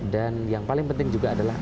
dan yang paling penting juga adalah